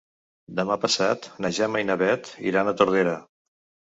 Demà passat na Gemma i na Bet iran a Tordera.